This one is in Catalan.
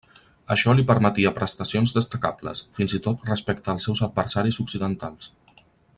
Això li permetia prestacions destacables, fins i tot respecte als seus adversaris occidentals.